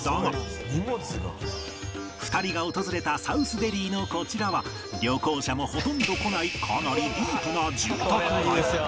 ２人が訪れたサウスデリーのこちらは旅行者もほとんど来ないかなり